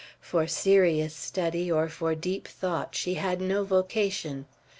For serious study or for deep thought she had no vocation.